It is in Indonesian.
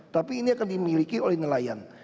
tapi ini akan dimiliki oleh nelayan